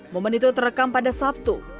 momen itu terekam pada sabtu